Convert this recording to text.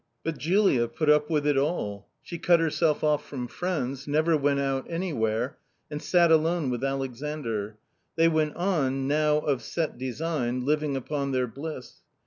But Julia put up with it all. She cut herself off from friends, never went out anywhere, and sat alone with Alex andr. They went on — now of set design — living upon their bliss.